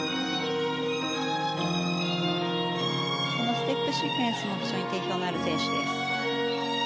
ステップシークエンスにも非常に定評のある選手です。